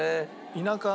田舎